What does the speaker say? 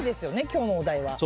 今日のお題は。